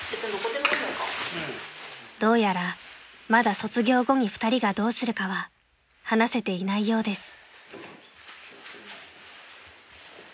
［どうやらまだ卒業後に２人がどうするかは話せていないようです］